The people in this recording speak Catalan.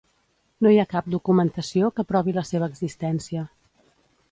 No hi ha cap documentació que provi la seva existència.